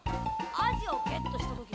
アジをゲットした時よ